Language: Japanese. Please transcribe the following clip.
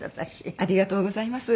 ありがとうございます。